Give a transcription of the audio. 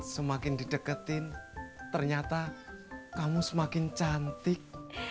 semakin dideketin ternyata kamu semakin cantik